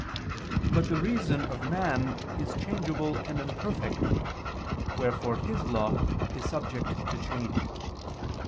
But the reason of man is changeable and imperfect: wherefore his law is subject to change.